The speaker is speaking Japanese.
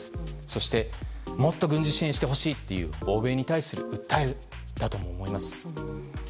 そして、もっと軍事支援してほしいという欧米に対しての訴えだと思います。